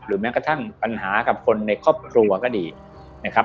แม้กระทั่งปัญหากับคนในครอบครัวก็ดีนะครับ